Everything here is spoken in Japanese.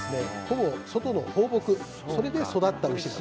ほぼ外の放牧それで育った牛なんですよね。